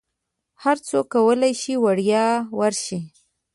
هرڅوک کولی شي وړیا ورشي.